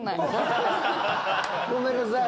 ごめんなさい。